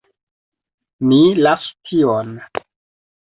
Ni lasu tion.